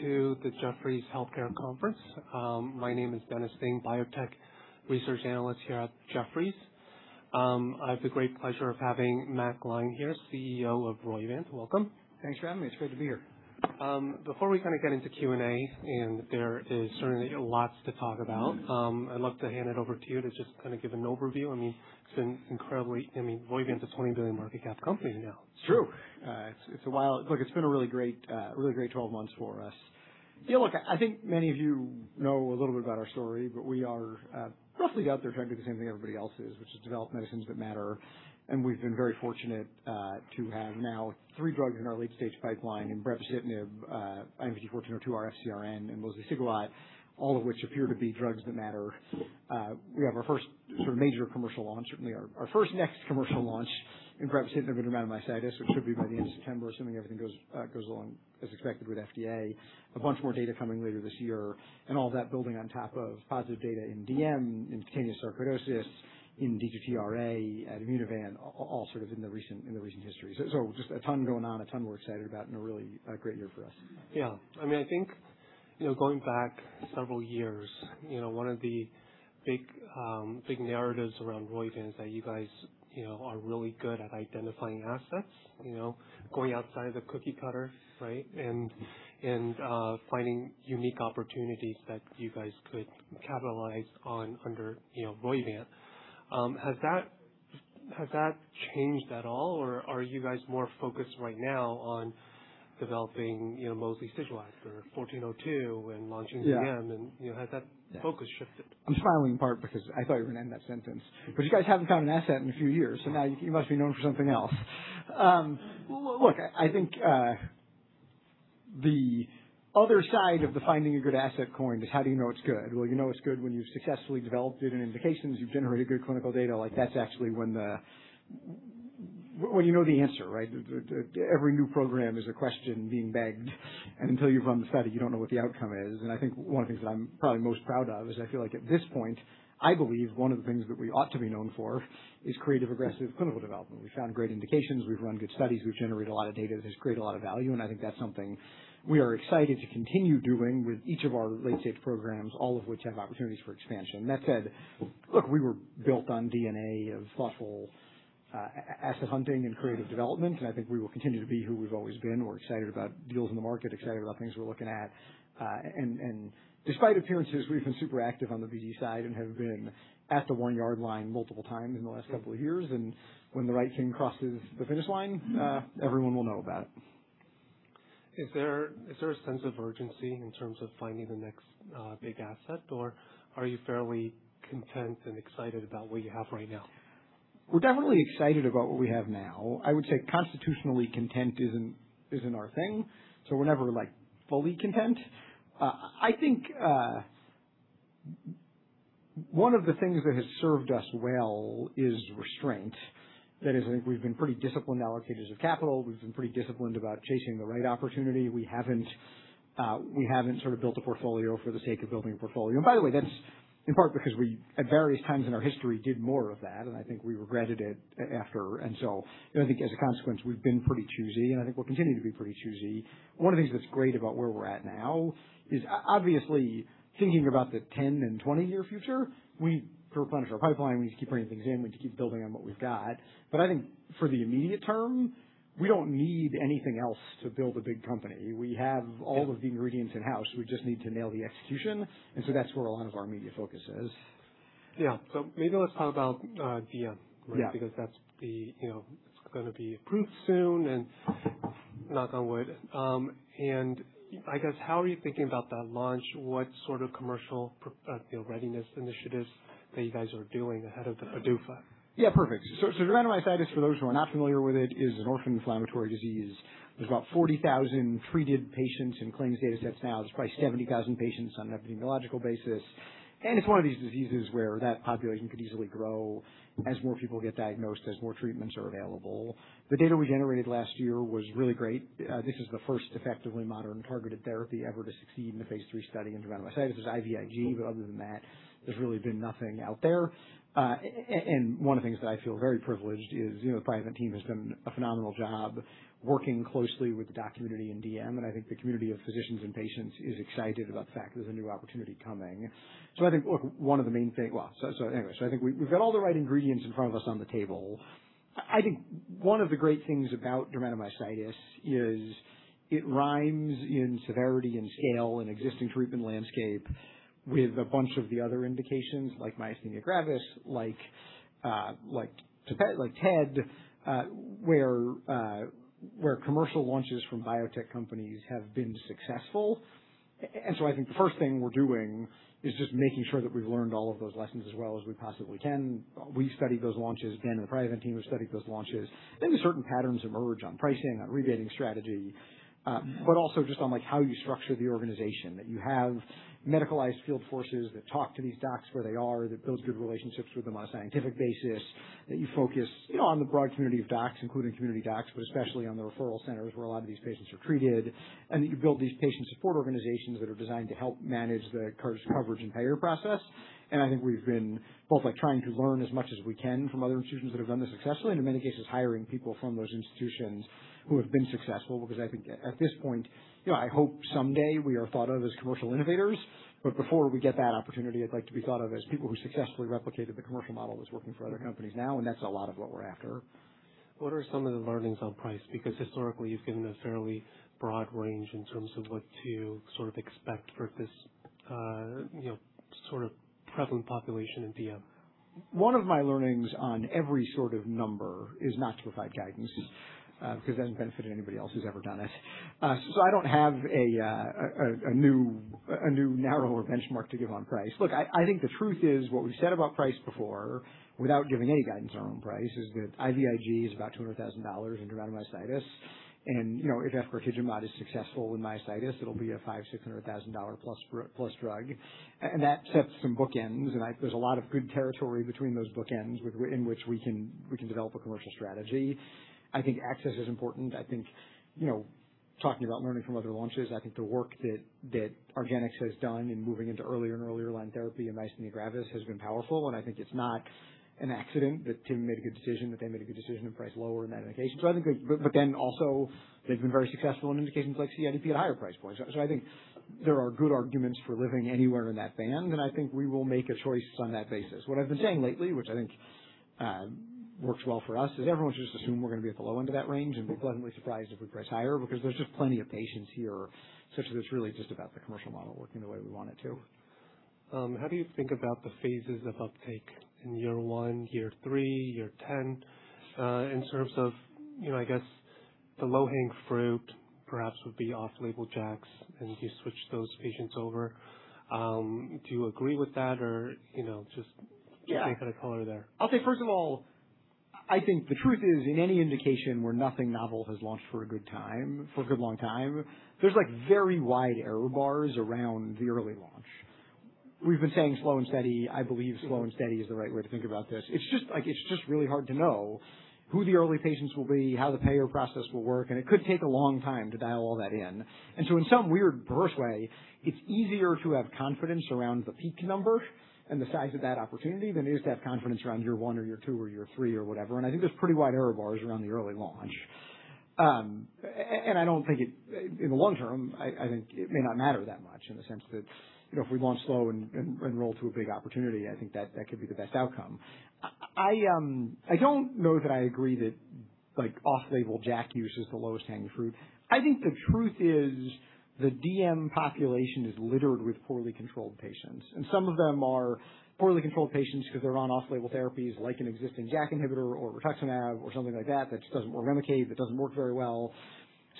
To the Jefferies Healthcare Conference. My name is Dennis Ding, biotech research analyst here at Jefferies. I have the great pleasure of having Matt Gline here, CEO of Roivant. Welcome. Thanks for having me. It's great to be here. Before we get into Q&A, and there is certainly lots to talk about, I'd love to hand it over to you to just give an overview. Roivant's a $20 billion market cap company now. It's true. Look, it's been a really great 12 months for us. Yeah, look, I think many of you know a little bit about our story, we are roughly out there trying to do the same thing everybody else is, which is develop medicines that matter. We've been very fortunate to have now three drugs in our late-stage pipeline in brepocitinib, IMVT-1402, FcRn, and mosliciguat, all of which appear to be drugs that matter. We have our first sort of major commercial launch, certainly our first next commercial launch in brepocitinib dermatomyositis, which should be by the end of September, assuming everything goes along as expected with FDA. A bunch more data coming later this year, all that building on top of positive data in DM, in cutaneous sarcoidosis, in D2T RA, at Immunovant, all sort of in the recent history. Just a ton going on, a ton we're excited about, and a really great year for us. Yeah. I think going back several years, one of the big narratives around Roivant is that you guys are really good at identifying assets, going outside the cookie cutter, right? Finding unique opportunities that you guys could capitalize on under Roivant. Has that changed at all, or are you guys more focused right now on developing mosliciguat or 1402 and launching DM? Yeah. Has that focus shifted? I'm smiling in part because I thought you were going to end that sentence, because you guys haven't found an asset in a few years, so now you must be known for something else. Look, I think the other side of the finding a good asset coin is how do you know it's good? Well, you know it's good when you've successfully developed it in indications. You've generated good clinical data. That's actually when you know the answer, right? Every new program is a question being begged, and until you've run the study, you don't know what the outcome is. I think one of the things that I'm probably most proud of is I feel like at this point, I believe one of the things that we ought to be known for is creative, aggressive clinical development. We found great indications. We've run good studies. We've generated a lot of data that's created a lot of value, and I think that's something we are excited to continue doing with each of our late-stage programs, all of which have opportunities for expansion. That said, look, we were built on DNA of thoughtful asset hunting and creative development, and I think we will continue to be who we've always been. We're excited about deals in the market, excited about things we're looking at. Despite appearances, we've been super active on the BD side and have been at the one-yard line multiple times in the last couple of years, when the right team crosses the finish line, everyone will know about it. Is there a sense of urgency in terms of finding the next big asset, or are you fairly content and excited about what you have right now? We're definitely excited about what we have now. I would say constitutionally content isn't our thing, so we're never fully content. I think one of the things that has served us well is restraint. That is, I think we've been pretty disciplined allocators of capital. We've been pretty disciplined about chasing the right opportunity. We haven't built a portfolio for the sake of building a portfolio. By the way, that's in part because we, at various times in our history, did more of that, and I think we regretted it after. I think as a consequence, we've been pretty choosy, and I think we'll continue to be pretty choosy. One of the things that's great about where we're at now is obviously thinking about the 10 and 20 year future. We replenish our pipeline, we need to keep bringing things in, we need to keep building on what we've got. I think for the immediate term, we don't need anything else to build a big company. We have all of the ingredients in-house. We just need to nail the execution, that's where a lot of our immediate focus is. Yeah. Maybe let's talk about DM. Yeah. That's going to be approved soon and knock on wood. I guess, how are you thinking about that launch? What sort of commercial readiness initiatives that you guys are doing ahead of the PDUFA? Yeah, perfect. Dermatomyositis, for those who are not familiar with it, is an orphan inflammatory disease. There's about 40,000 treated patients in claims datasets now. There's probably 70,000 patients on an epidemiological basis. It's one of these diseases where that population could easily grow as more people get diagnosed, as more treatments are available. The data we generated last year was really great. This is the first effectively modern targeted therapy ever to succeed in a phase III study in dermatomyositis. There's IVIG, but other than that, there's really been nothing out there. One of the things that I feel very privileged is the Priovant team has done a phenomenal job working closely with the doc community in DM, and I think the community of physicians and patients is excited about the fact that there's a new opportunity coming. I think we've got all the right ingredients in front of us on the table. I think one of the great things about dermatomyositis is it rhymes in severity and scale and existing treatment landscape with a bunch of the other indications like myasthenia gravis, like TED, where commercial launches from biotech companies have been successful. I think the first thing we're doing is just making sure that we've learned all of those lessons as well as we possibly can. We've studied those launches. Dan and the Priovant team have studied those launches. I think certain patterns emerge on pricing, on rebating strategy, but also just on how you structure the organization, that you have medicalized field forces that talk to these docs where they are, that builds good relationships with them on a scientific basis, that you focus on the broad community of docs, including community docs, but especially on the referral centers where a lot of these patients are treated, and that you build these patient support organizations that are designed to help manage the coverage and payer process. I think we've been both trying to learn as much as we can from other institutions that have done this successfully and in many cases hiring people from those institutions who have been successful because I think at this point, I hope someday we are thought of as commercial innovators. Before we get that opportunity, I'd like to be thought of as people who successfully replicated the commercial model that's working for other companies now. That's a lot of what we're after. What are some of the learnings on price? Historically, you've given a fairly broad range in terms of what to expect for this prevalent population in DM. One of my learnings on every sort of number is not to provide guidance, because it doesn't benefit anybody else who's ever done it. I don't have a new narrower benchmark to give on price. Look, I think the truth is what we've said about price before, without giving any guidance on price, is that IVIG is about $200,000 in dermatomyositis. If efgartigimod is successful in myositis, it'll be a $500,000, $600,000 plus drug. That sets some bookends, and there's a lot of good territory between those bookends in which we can develop a commercial strategy. I think access is important. I think, talking about learning from other launches, I think the work that argenx has done in moving into earlier and earlier line therapy in myasthenia gravis has been powerful. I think it's not an accident that Tim made a good decision, that they made a good decision to price lower in that indication. Also, they've been very successful in indications like CIDP at higher price points. I think there are good arguments for living anywhere in that band, and I think we will make a choice on that basis. What I've been saying lately, which I think works well for us, is everyone should just assume we're going to be at the low end of that range and be pleasantly surprised if we price higher, because there's just plenty of patients here such that it's really just about the commercial model working the way we want it to. How do you think about the phases of uptake in year one, year three, year 10, in terms of, I guess, the low-hanging fruit perhaps would be off-label JAKs and you switch those patients over? Do you agree with that or just- Yeah any kind of color there? I'll say, first of all, I think the truth is, in any indication where nothing novel has launched for a good long time, there's very wide error bars around the early launch. We've been saying slow and steady. I believe slow and steady is the right way to think about this. It's just really hard to know who the early patients will be, how the payer process will work, and it could take a long time to dial all that in. In some weird, perverse way, it's easier to have confidence around the peak number and the size of that opportunity than it is to have confidence around year one or year two or year three or whatever, and I think there's pretty wide error bars around the early launch. I don't think it, in the long term, I think it may not matter that much in the sense that if we launch slow and roll to a big opportunity, I think that could be the best outcome. I don't know that I agree that off-label JAK use is the lowest-hanging fruit. I think the truth is the DM population is littered with poorly controlled patients, and some of them are poorly controlled patients because they're on off-label therapies like an existing JAK inhibitor or rituximab or something like that just doesn't work, or REMICADE that doesn't work very well.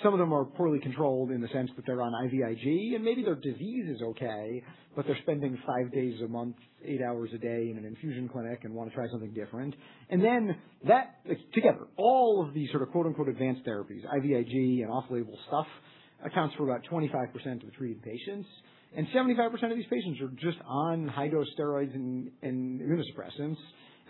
Some of them are poorly controlled in the sense that they're on IVIG and maybe their disease is okay, but they're spending five days a month, eight hours a day in an infusion clinic and want to try something different. That together, all of these sort of "advanced therapies," IVIG and off-label stuff, accounts for about 25% of the treated patients. 75% of these patients are just on high-dose steroids and immunosuppressants.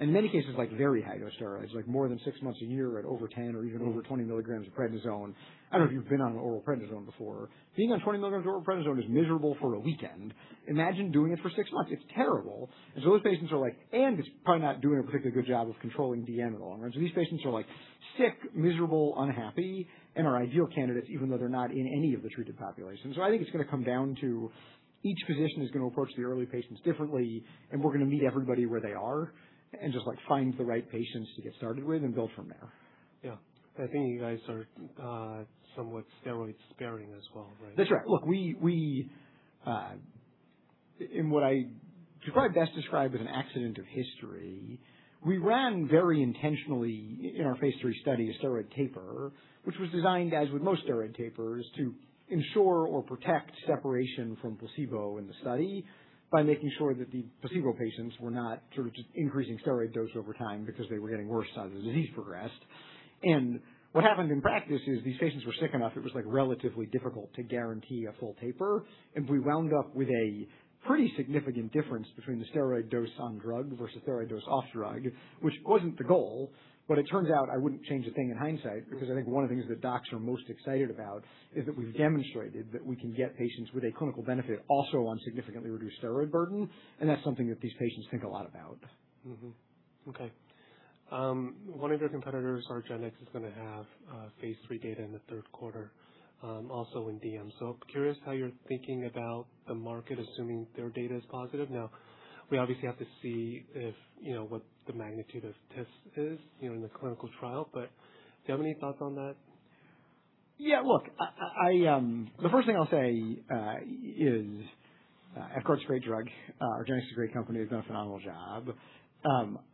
In many cases, very high dose steroids, like more than six months a year at over 10 or even over 20 mg of prednisone. I don't know if you've been on oral prednisone before. Being on 20 mg of oral prednisone is miserable for a weekend. Imagine doing it for six months. It's terrible. It's probably not doing a particularly good job of controlling DM in the long run. These patients are sick, miserable, unhappy, and are ideal candidates, even though they're not in any of the treated populations. I think it's going to come down to each physician is going to approach the early patients differently, and we're going to meet everybody where they are and just find the right patients to get started with and build from there. Yeah. I think you guys are somewhat steroid-sparing as well, right? That's right. Look, in what I probably best describe as an accident of history, we ran very intentionally in our phase III study, a steroid taper, which was designed, as with most steroid tapers, to ensure or protect separation from placebo in the study by making sure that the placebo patients were not just increasing steroid dose over time because they were getting worse as the disease progressed. What happened in practice is these patients were sick enough, it was relatively difficult to guarantee a full taper, and we wound up with a pretty significant difference between the steroid dose on drug versus steroid dose off drug, which wasn't the goal. It turns out I wouldn't change a thing in hindsight, because I think one of the things that docs are most excited about is that we've demonstrated that we can get patients with a clinical benefit also on significantly reduced steroid burden, and that's something that these patients think a lot about. Okay. One of your competitors, argenx, is going to have phase III data in the third quarter, also in DM. Curious how you're thinking about the market, assuming their data is positive. We obviously have to see what the magnitude of this is in the clinical trial, but do you have any thoughts on that? Look, the first thing I'll say is efgartigimod's a great drug. argenx is a great company, has done a phenomenal job.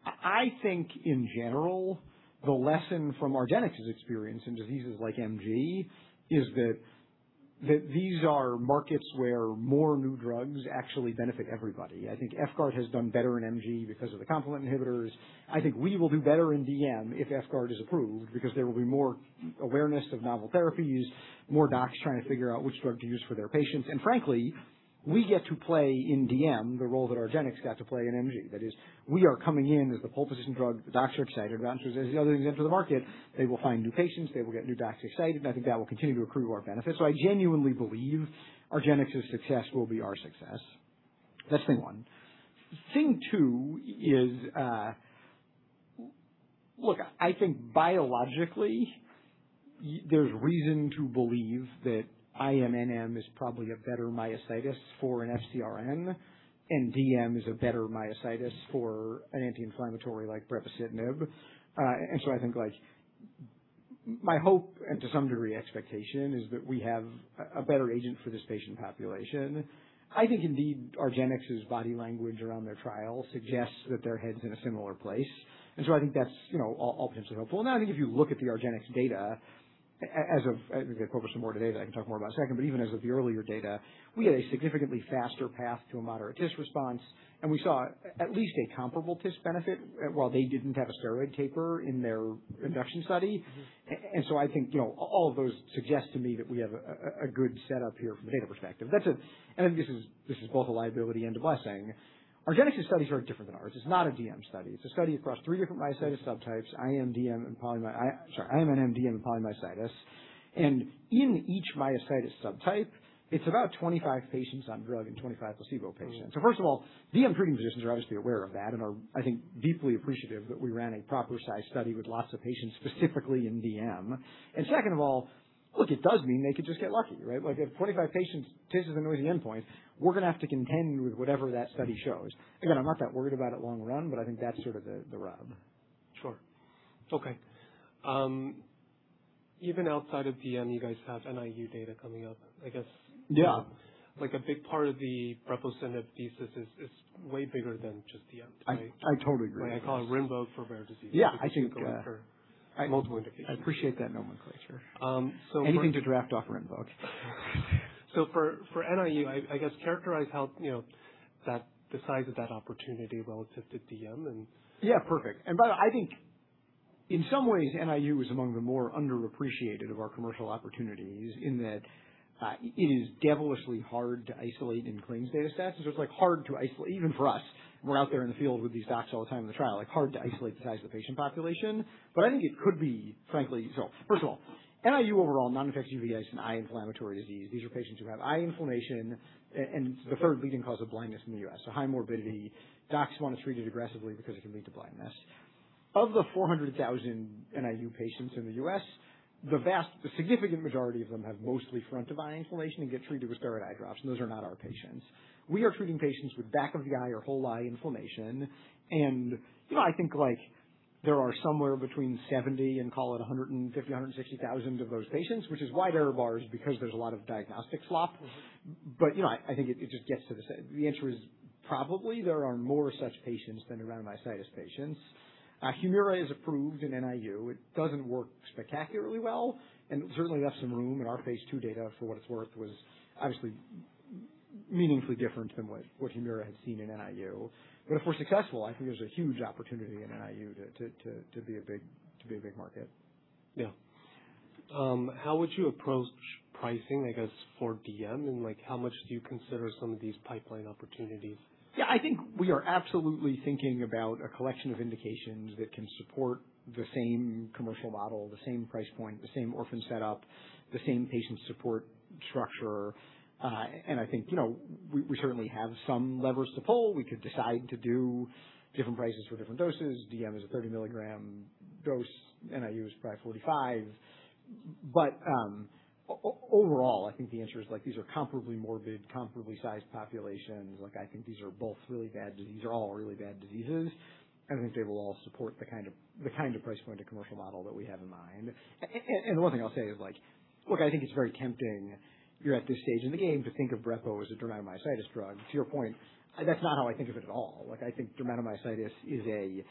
I think in general, the lesson from argenx's experience in diseases like MG is that these are markets where more new drugs actually benefit everybody. I think efgartigimod has done better in MG because of the complement inhibitors. I think we will do better in DM if efgartigimod is approved, because there will be more awareness of novel therapies, more docs trying to figure out which drug to use for their patients. Frankly, we get to play in DM the role that argenx got to play in MG. That is, we are coming in as the pulpitis drug. The doctors are excited about it. There's the other things into the market. They will find new patients. They will get new docs excited, and I think that will continue to accrue to our benefit. I genuinely believe argenx's success will be our success. That's thing one. Thing two is, look, I think biologically, there's reason to believe that IMNM is probably a better myositis for an FcRn, and DM is a better myositis for an anti-inflammatory like brepocitinib. I think my hope, and to some degree, expectation, is that we have a better agent for this patient population. I think indeed argenx's body language around their trial suggests that their head's in a similar place. I think that's ultimately helpful. I think if you look at the argenx data as of, I think they have over some more data that I can talk more about in a second, but even as of the earlier data, we had a significantly faster path to a moderate response, and we saw at least a comparable TIS benefit while they didn't have a steroid taper in their induction study. I think all of those suggest to me that we have a good setup here from a data perspective. I think this is both a liability and a blessing. argenx's study is very different than ours. It's not a DM study. It's a study across three different myositis subtypes, IMNM, DM, and polymyositis. In each myositis subtype, it's about 25 patients on drug and 25 placebo patients. First of all, DM treating physicians are obviously aware of that and are, I think, deeply appreciative that we ran a proper size study with lots of patients specifically in DM. Second of all, look, it does mean they could just get lucky, right? If 25 patients tests as a noisy endpoint, we're going to have to contend with whatever that study shows. Again, I'm not that worried about it long run, but I think that's sort of the rub. Sure. Okay. Even outside of DM, you guys have NIU data coming up, I guess. Yeah. Like a big part of the brepocitinib thesis is way bigger than just DM, right? I totally agree. I call it RINVOQ for rare diseases. Yeah. It could go for multiple indications. I appreciate that nomenclature. So for- Anything to draft off RINVOQ. For NIU, I guess characterize how the size of that opportunity relative to DM? Perfect. By the way, I think in some ways, NIU is among the more underappreciated of our commercial opportunities in that it is devilishly hard to isolate in claims data sets. It's just hard to isolate, even for us, we're out there in the field with these docs all the time in the trial. Hard to isolate the size of the patient population. I think it could be, frankly. First of all, NIU overall, non-infectious uveitis and eye inflammatory disease. These are patients who have eye inflammation and the third leading cause of blindness in the U.S., so high morbidity. Docs want to treat it aggressively because it can lead to blindness. Of the 400,000 NIU patients in the U.S., the significant majority of them have mostly front of eye inflammation and get treated with steroid eye drops, and those are not our patients. We are treating patients with back of the eye or whole eye inflammation, and I think there are somewhere between 70 and call it 150,000, 160,000 of those patients, which is wide error bars because there is a lot of diagnostic slop. I think it just gets to the answer is probably there are more such patients than dermatomyositis patients. HUMIRA is approved in uveitis. It doesn't work spectacularly well, and certainly left some room in our phase II data for what it's worth, was obviously meaningfully different than what HUMIRA had seen in uveitis. If we're successful, I think there's a huge opportunity in uveitis to be a big market. Yeah. How would you approach pricing, I guess, for DM, and how much do you consider some of these pipeline opportunities? Yeah, I think we are absolutely thinking about a collection of indications that can support the same commercial model, the same price point, the same orphan setup, the same patient support structure. I think we certainly have some levers to pull. We could decide to do different prices for different doses. DM is a 30 milligram dose. NIU is probably 45. Overall, I think the answer is these are comparably morbid, comparably sized populations. I think these are all really bad diseases, and I think they will all support the kind of price point and commercial model that we have in mind. One thing I'll say is, look, I think it's very tempting, you're at this stage in the game to think of Brepo as a dermatomyositis drug. To your point, that's not how I think of it at all. I think dermatomyositis is a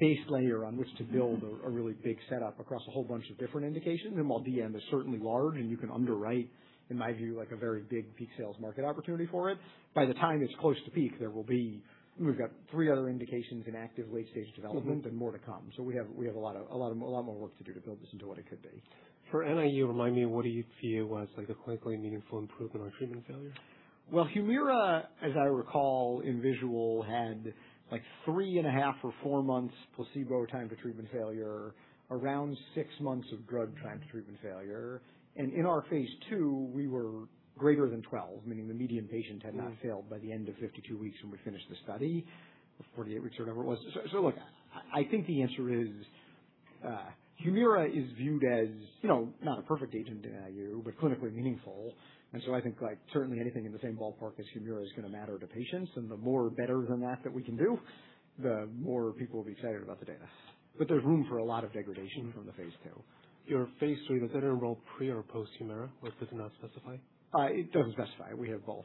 base layer on which to build a really big setup across a whole bunch of different indications. While DM is certainly large, and you can underwrite, in my view, a very big peak sales market opportunity for it. By the time it's close to peak, we've got three other indications in active late-stage development. and more to come. We have a lot more work to do to build this into what it could be. For NIU, remind me, what do you view as the clinically meaningful improvement on treatment failure? Well, HUMIRA, as I recall in visual, had three and a half or four months placebo time to treatment failure, around six months of drug time to treatment failure. In our phase II, we were greater than 12, meaning the median patient had not failed by the end of 52 weeks when we finished the study, or 48 weeks or whatever it was. Look, I think the answer is, HUMIRA is viewed as not a perfect agent in NIU, but clinically meaningful. I think certainly anything in the same ballpark as HUMIRA is going to matter to patients, and the more better than that that we can do, the more people will be excited about the data. There's room for a lot of degradation from the phase II. Your phase III, does that enroll pre or post-HUMIRA, or does it not specify? It doesn't specify. We have both.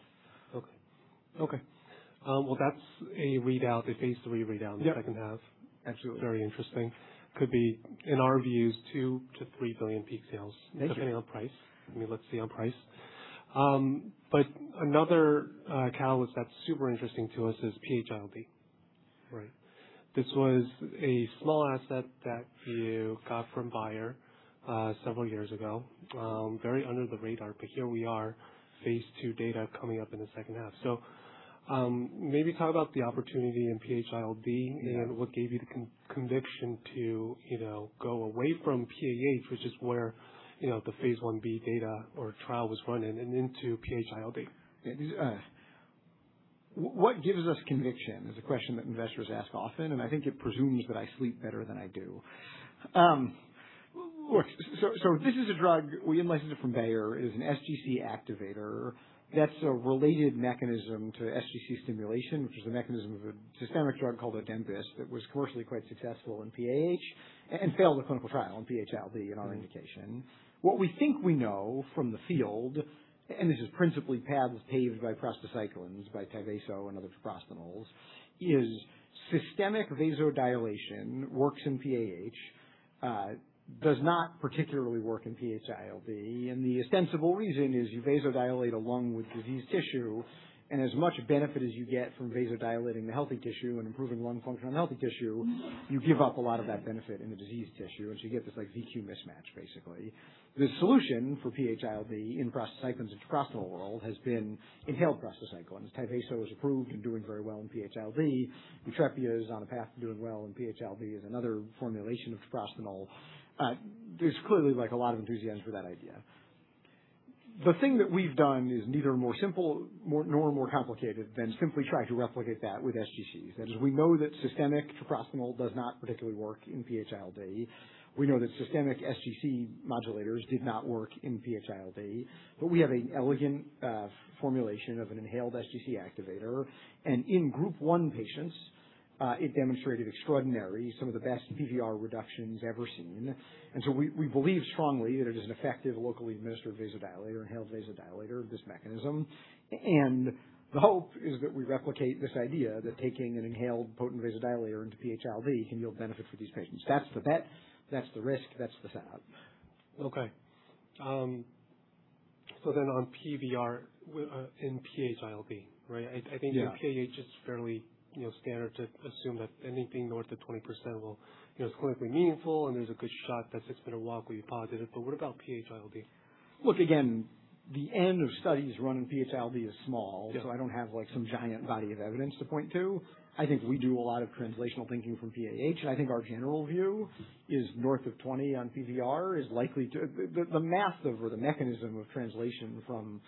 Okay. Well, that's a readout, a phase III readout in the second half. Yep. Absolutely. Very interesting. Could be, in our views, $2 billion-$3 billion peak sales. Thank you. Depending on price. I mean, let's see on price. Another catalyst that's super interesting to us is PH-ILD. Right. This was a small asset that you got from Bayer several years ago. Very under the radar, but here we are, phase II data coming up in the second half. Maybe talk about the opportunity in PH-ILD and what gave you the conviction to go away from PAH, which is where the phase I-B data or trial was running, and into PH-ILD. What gives us conviction is a question that investors ask often, and I think it presumes that I sleep better than I do. Look, this is a drug we in-licensed from Bayer. It is an sGC activator. That's a related mechanism to sGC stimulation, which is a mechanism of a systemic drug called Adempas that was commercially quite successful in PAH and failed a clinical trial in PH-ILD, in our indication. What we think we know from the field, and this is principally paths paved by prostacyclins, by Tyvaso and other treprostinils, is systemic vasodilation works in PAH, does not particularly work in PH-ILD. The ostensible reason is you vasodilate a lung with diseased tissue and as much benefit as you get from vasodilating the healthy tissue and improving lung function on healthy tissue, you give up a lot of that benefit in the diseased tissue and so you get this V/Q mismatch, basically. The solution for PH-ILD in prostacyclins and treprostinil world has been inhaled prostacyclin. Tyvaso is approved and doing very well in PH-ILD. YUTREPIA is on a path to doing well in PH-ILD is another formulation of treprostinil. There's clearly a lot of enthusiasm for that idea. The thing that we've done is neither more simple nor more complicated than simply try to replicate that with sGCs. That is, we know that systemic treprostinil does not particularly work in PH-ILD. We know that systemic sGC modulators did not work in PH-ILD, but we have an elegant formulation of an inhaled sGC activator. In group 1 patients, it demonstrated extraordinary, some of the best PVR reductions ever seen. We believe strongly that it is an effective locally administered vasodilator, inhaled vasodilator of this mechanism. The hope is that we replicate this idea that taking an inhaled potent vasodilator into PH-ILD can yield benefit for these patients. That's the bet, that's the risk, that's the setup. Okay. On PVR in PH-ILD, right? Yeah. I think in PAH it's fairly standard to assume that anything north of 20% is clinically meaningful and there's a good shot that six-minute walk will be positive. What about PH-ILD? Look, again, the end of studies run in PH-ILD is small. Yeah. I don't have some giant body of evidence to point to. I think we do a lot of translational thinking from PAH, and I think our general view is north of 20 on PVR. The math of or the mechanism of translation from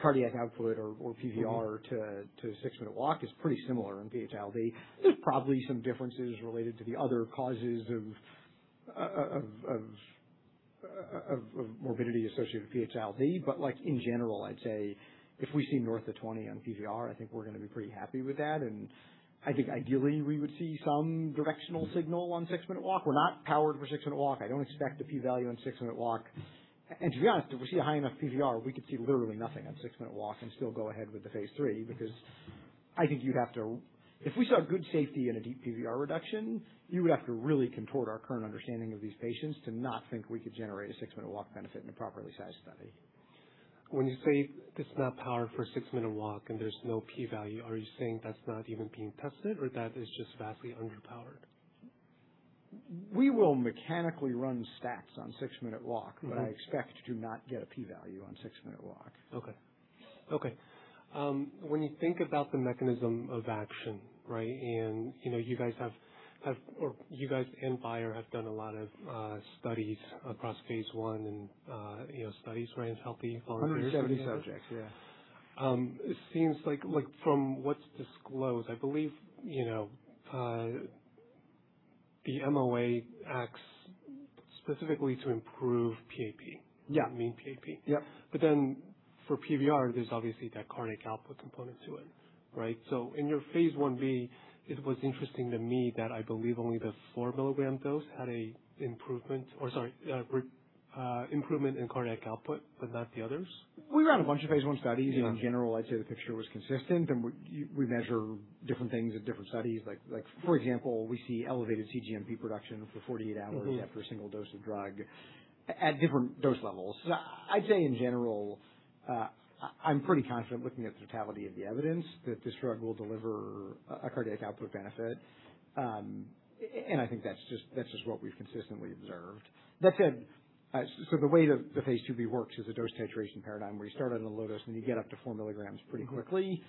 cardiac output or PVR to six-minute walk is pretty similar in PH-ILD. There's probably some differences related to the other causes of morbidity associated with PH-ILD. In general, I'd say if we see north of 20 on PVR, I think we're going to be pretty happy with that, and I think ideally we would see some directional signal on six-minute walk. We're not powered for six-minute walk. I don't expect a P value on six-minute walk. To be honest, if we see a high enough PVR, we could see literally nothing on six-minute walk and still go ahead with the phase III. If we saw good safety and a deep PVR reduction, you would have to really contort our current understanding of these patients to not think we could generate a six-minute walk benefit in a properly sized study. When you say it's not powered for six-minute walk and there's no P value, are you saying that's not even being tested or that is just vastly underpowered? We will mechanically run stats on six-minute walk test. I expect to not get a P value on six-minute walk. Okay. When you think about the mechanism of action, right? You guys and Bayer have done a lot of studies across phase I and studies where it's healthy volunteers. 170 subjects. Yeah. It seems like from what's disclosed, I believe, the MOA acts specifically to improve mPAP. Yeah. Mean mPAP. Yep. For PVR, there's obviously that cardiac output component to it, right? In your phase I-B, it was interesting to me that I believe only the four-milligram dose had a improvement in cardiac output, but not the others. We ran a bunch of phase I studies. Yeah. In general, I'd say the picture was consistent, and we measure different things at different studies. Like for example, we see elevated cGMP production for 48 hours after a single dose of drug at different dose levels. I'd say in general, I'm pretty confident looking at the totality of the evidence that this drug will deliver a cardiac output benefit. I think that's just what we've consistently observed. That said, the way the phase II-B works is a dose titration paradigm where you start on the low dose and you get up to 4 mg pretty quickly.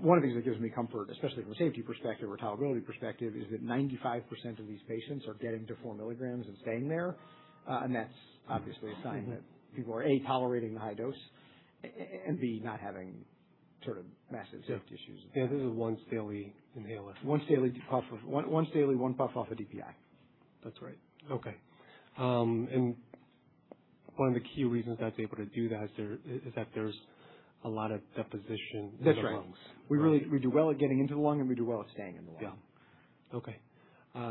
One of the things that gives me comfort, especially from a safety perspective or tolerability perspective, is that 95% of these patients are getting to 4 mg and staying there. That's obviously a sign that people are, A, tolerating the high dose, and B, not having sort of massive safety issues. Yeah. This is once daily inhaler. Once daily puff. Once daily, one puff off a DPI. That's right. Okay. One of the key reasons that it's able to do that is that there's a lot of deposition in the lungs. That's right. We do well at getting into the lung, and we do well at staying in the lung. Yeah. Okay.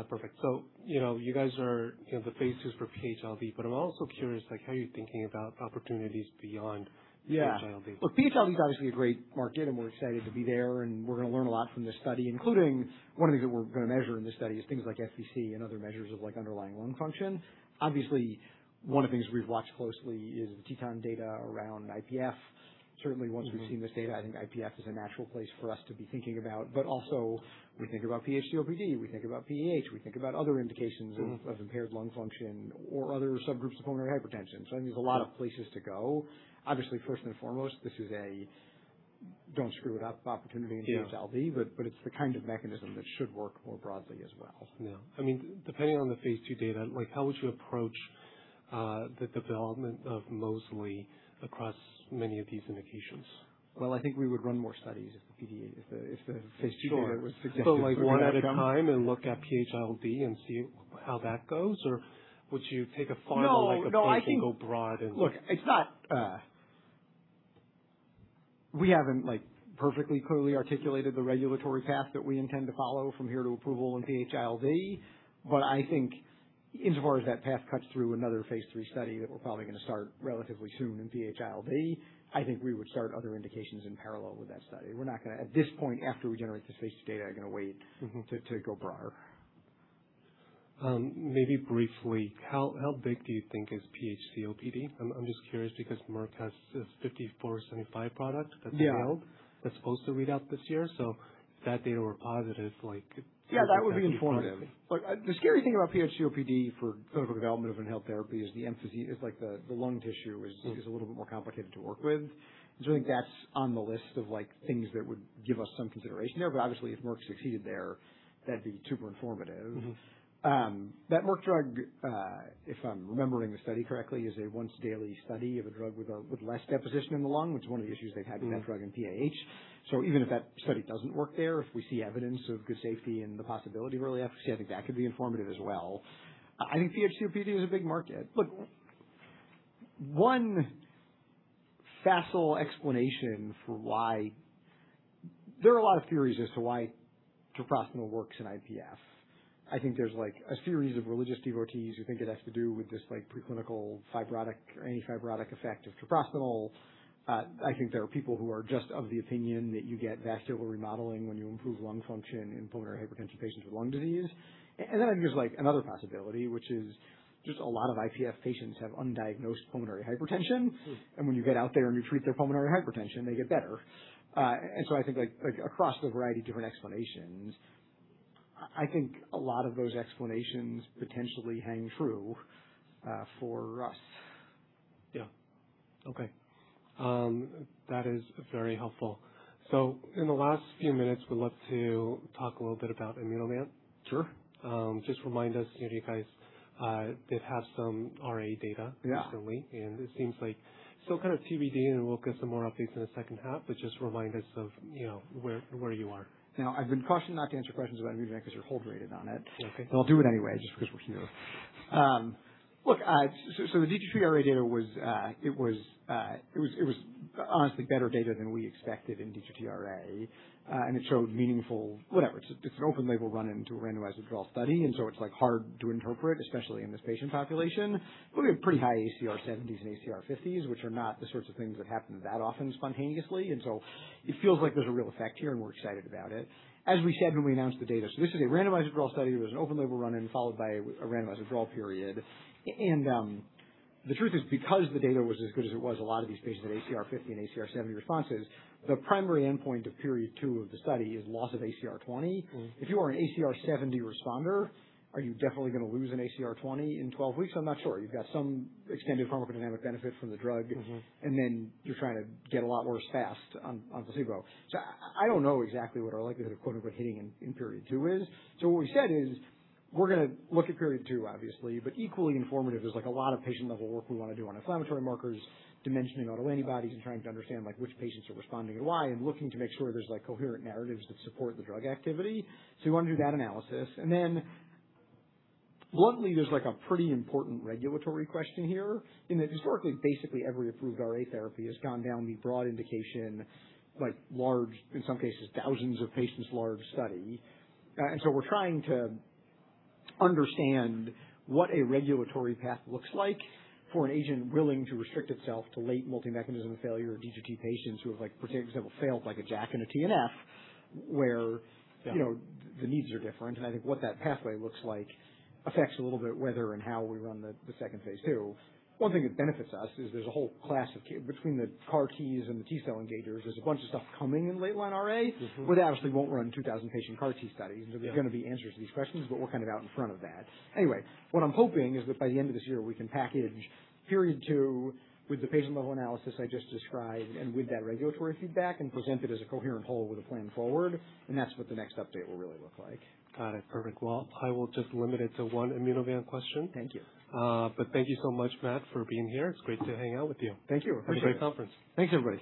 Perfect. You guys are the phases for PH-ILD, but I'm also curious, how are you thinking about opportunities beyond PH-ILD? Look, PH-ILD is obviously a great market and we're excited to be there and we're going to learn a lot from this study, including one of the things that we're going to measure in this study is things like FVC and other measures of underlying lung function. Obviously, one of the things we've watched closely is the TETON data around IPF. once we've seen this data, I think IPF is a natural place for us to be thinking about. But also we think about PH-COPD, we think about PAH, we think about other indications. of impaired lung function or other subgroups of pulmonary hypertension. I think there's a lot of places to go. Obviously, first and foremost, this is a don't screw it up opportunity in PH-ILD. Yeah It's the kind of mechanism that should work more broadly as well. Yeah. Depending on the phase II data, how would you approach the development of mosliciguat across many of these indications? Well, I think we would run more studies if the FDA. Sure if the study was suggested. One at a time and look at PH-ILD and see how that goes? Would you take a farther- No like approach and go broad. Look, we haven't perfectly clearly articulated the regulatory path that we intend to follow from here to approval in PH-ILD. I think insofar as that path cuts through another phase III study that we're probably going to start relatively soon in PH-ILD, I think we would start other indications in parallel with that study. We're not going to, at this point, after we generate the stage data, are going to wait to go broader. Maybe briefly, how big do you think is PH-COPD? I'm just curious because Merck has this MK-5475 product. Yeah that's failed. That's supposed to read out this year. That data were positive. Yeah, that would be informative. Look, the scary thing about PH-COPD for clinical development of inhaled therapy is like the lung tissue is a little bit more complicated to work with. I think that's on the list of things that would give us some consideration there. Obviously, if Merck succeeded there, that'd be super informative. That Merck drug, if I'm remembering the study correctly, is a once-daily study of a drug with less deposition in the lung, which is one of the issues they've had with that drug in PAH. Even if that study doesn't work there, if we see evidence of good safety and the possibility of early efficacy, I think that could be informative as well. I think PH-COPD is a big market. There are a lot of theories as to why treprostinil works in IPF. I think there's a series of religious devotees who think it has to do with this preclinical fibrotic or anti-fibrotic effect of treprostinil. I think there are people who are just of the opinion that you get vascular remodeling when you improve lung function in pulmonary hypertension patients with lung disease. Then I think there's another possibility, which is just a lot of IPF patients have undiagnosed pulmonary hypertension, and when you get out there and you treat their pulmonary hypertension, they get better. So I think across the variety of different explanations, I think a lot of those explanations potentially hang true for us. Yeah. Okay. That is very helpful. In the last few minutes, we'd love to talk a little bit about Immunovant. Sure. Just remind us, you guys did have some RA data. Yeah Recently, it seems like still kind of TBD, and we'll get some more updates in the second half, but just remind us of where you are. I've been cautioned not to answer questions about Immunovant because we're hold rated on it. Okay. I'll do it anyway just because we're here. Look, the D2T-RA data it was honestly better data than we expected in D2T-RA. It showed meaningful, whatever. It's an open label run into a randomized withdrawal study, and so it's hard to interpret, especially in this patient population. We have pretty high ACR-70s and ACR-50s, which are not the sorts of things that happen that often spontaneously, and so it feels like there's a real effect here, and we're excited about it. As we said when we announced the data, this is a randomized withdrawal study. It was an open label run in, followed by a randomized withdrawal period. The truth is, because the data was as good as it was, a lot of these patients had ACR-50 and ACR-70 responses. The primary endpoint of period two of the study is loss of ACR-20. If you are an ACR-70 responder, are you definitely going to lose an ACR-20 in 12 weeks? I'm not sure. You've got some extended pharmacodynamic benefit from the drug. Then you're trying to get a lot worse fast on placebo. I don't know exactly what our likelihood of clinically hitting in period two is. What we said is we're going to look at period two, obviously, but equally informative. There's a lot of patient-level work we want to do on inflammatory markers, dimensioning autoantibodies, and trying to understand which patients are responding and why, and looking to make sure there's coherent narratives that support the drug activity. We want to do that analysis. Then luckily, there's a pretty important regulatory question here in that historically, basically every approved RA therapy has gone down the broad indication, like large, in some cases thousands of patients large study. We're trying to understand what a regulatory path looks like for an agent willing to restrict itself to late multi-mechanism failure D2T patients who have, for example, failed a JAK and a TNF. Yeah the needs are different. I think what that pathway looks like affects a little bit whether and how we run the second phase II. One thing that benefits us is there's a whole class of CAR Ts and T-cell engagers, there's a bunch of stuff coming in late-line RA. We obviously won't run 2,000-patient CAR T studies. Yeah. There are going to be answers to these questions, but we're kind of out in front of that. Anyway, what I'm hoping is that by the end of this year, we can package period 2 with the patient-level analysis I just described and with that regulatory feedback, and present it as a coherent whole with a plan forward, and that's what the next update will really look like. Got it. Perfect. I will just limit it to one Immunovant question. Thank you. Thank you so much, Matt, for being here. It's great to hang out with you. Thank you. Appreciate it. Have a great conference. Thanks, everybody.